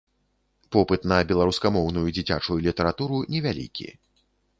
Попыт на беларускамоўную дзіцячую літаратуру невялікі.